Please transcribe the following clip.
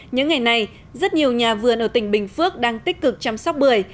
những ngày này rất nhiều nhà vườn ở tỉnh bình phước đang tích cực chăm sóc bưởi